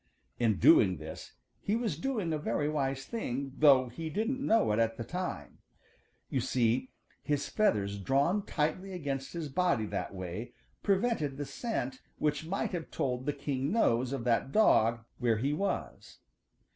In doing this he was doing a very wise thing, though he didn't know it at the time. You see his feathers drawn tightly against his body that way prevented the scent which might have told the keen nose of that dog where he was.